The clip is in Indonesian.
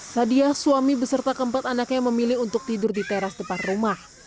sadiah suami beserta keempat anaknya memilih untuk tidur di teras depan rumah